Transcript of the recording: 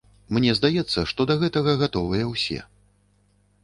Мне здаецца, што да гэтага гатовыя ўсе.